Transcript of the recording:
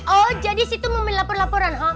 oh jadi saya itu mau lapor laporan ha